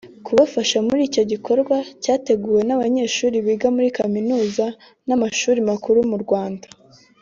kubafasha muri icyo gikorwa cyateguwe n’abanyeshuri biga muri Kaminuza n’amashuri makuru mu Rwanda